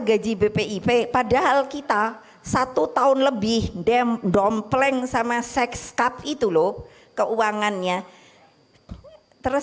gaji bp ip padahal kita satu tahun lebih dem dompleng sama sexcap itu loh keuangannya terus